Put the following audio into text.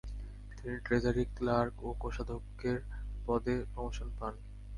তিনি treasury clerk ও কোষাধ্যক্ষের পদে প্রমোশন পান।